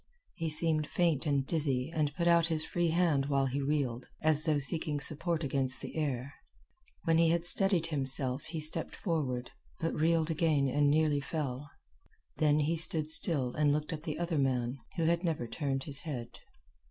He seemed faint and dizzy and put out his free hand while he reeled, as though seeking support against the air. When he had steadied himself he stepped forward, but reeled again and nearly fell. Then he stood still and looked at the other man, who had never turned his head.